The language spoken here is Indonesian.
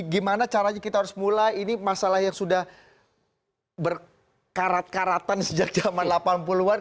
gimana caranya kita harus mulai ini masalah yang sudah berkarat karatan sejak zaman delapan puluh an